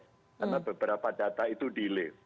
karena beberapa data itu delay